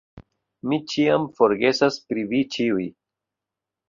Mi ĉiam forgesas pri vi ĉiuj